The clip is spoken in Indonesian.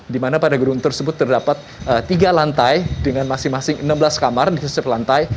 di mana pada gedung tersebut terdapat tiga lantai dengan masing masing enam belas kamar di setiap lantai